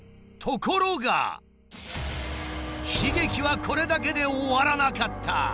ところが悲劇はこれだけで終わらなかった！